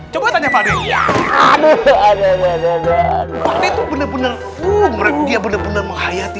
coba tanya pak ya aduh ada ada ada ada itu bener bener uh mirip dia bener bener menghayati